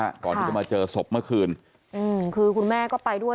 ก่อนที่จะมาเจอศพเมื่อคืนอืมคือคุณแม่ก็ไปด้วย